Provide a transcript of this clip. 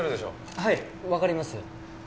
はいわかります。